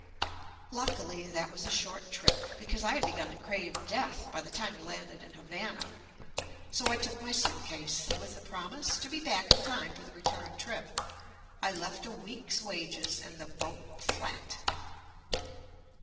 Luckily, that was a JUST ME short trip, because I had begun to crave death by the time we landed in Havana. So I took my suitcase, and with the promise to be back in time for the return trip I left a week's wages and the boat flat.